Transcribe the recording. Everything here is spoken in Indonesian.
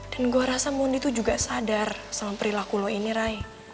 dan gue rasa mondi tuh juga sadar sama perilaku lo ini rai